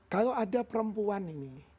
kalau ada perempuan ini